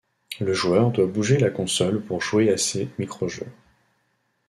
Le joueur doit bouger la console pour jouer à ces micro-jeux.